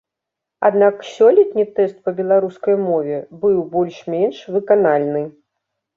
Аднак сёлетні тэст па беларускай мове быў больш-менш выканальны.